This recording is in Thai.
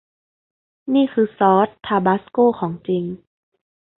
นี่คือซอสทาบาสโก้ของจริง